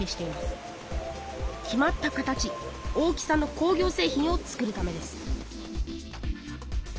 決まった形大きさの工業製品を作るためです